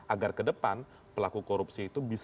agar kedepan pelaku korupsi itu bisa dikawal